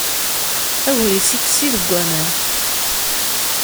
Agris ifessi deg waman.